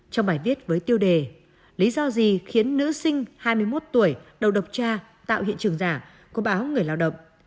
trong bài viết với tiêu đề lý do gì khiến nữ sinh hai mươi một tuổi đầu độc tra tạo hiện trường giả có báo người lao động